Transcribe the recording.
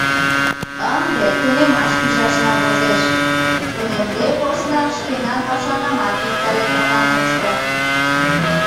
Ынде тунемаш пижашна возеш; тунемде посна, шкенан пашанамат виктарен она мошто.